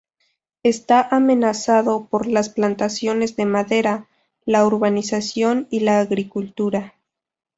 Está amenazado por las plantaciones de madera, la urbanización y la agricultura.